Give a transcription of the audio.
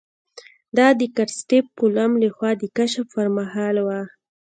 دا د کرسټېف کولمب له خوا د کشف پر مهال وه.